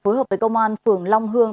phối hợp với công an phường long hương